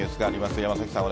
山崎さん。